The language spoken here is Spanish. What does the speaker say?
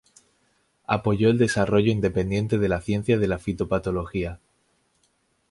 Apoyó el desarrollo independiente de la ciencia de la fitopatología.